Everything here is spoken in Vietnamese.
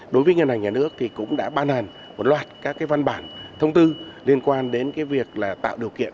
đối với ngân hàng nhà nước thì cũng đã ban hành một loạt các văn bản thông tư liên quan đến việc là tạo điều kiện